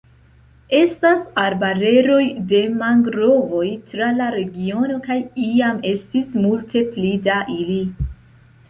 Estas arbareroj de mangrovoj tra la regiono kaj iam estis multe pli da ili.